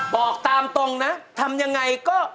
บอกตามตรงนะทำยังไงก็